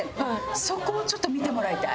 そこをちょっと見てもらいたい。